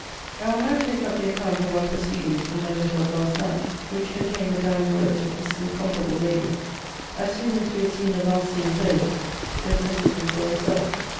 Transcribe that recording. I will now take up the account of our proceedings from my letter of last night, which contained the dying words of this incomparable lady. As soon as we had seen the last scene closed (so blessedly for herself!)